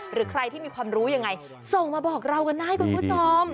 หรือใครที่มีความรู้ยังไงส่งมาบอกเรากันได้คุณผู้ชม